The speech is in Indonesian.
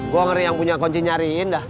gue ngeri yang punya kuncinya rindah